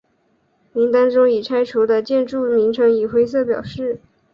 名单中已拆除的建筑名称以灰色表示。